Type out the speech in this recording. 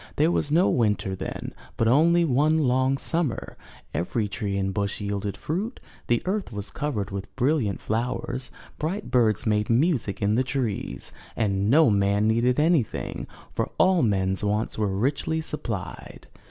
There was no winter then, but only one long summer; every tree and bush yielded fruit; the earth was covered with brilliant flowers; bright birds made music in the trees; and no man needed anything, for all men's wants were richly supplied.